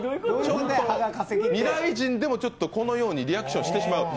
未来人でもこのようにリアクションしてしまう。